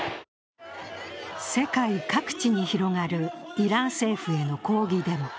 世界各地に広がるイラン政府への抗議デモ。